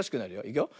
いくよ。